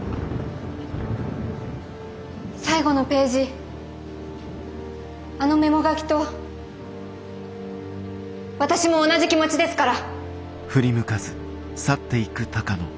最後のページあのメモ書きと私も同じ気持ちですから。